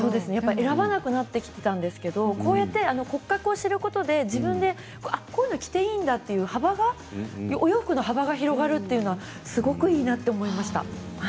選ばなくなってきたんですが骨格を知ることで自分でこういうのを着ていいんだという幅がお洋服の幅が広がるというのはすごくいいなと思いました。